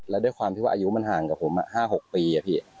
แล้วด้วยความที่ว่าอายุมันห่างกับผม๕๖ปีอะพี่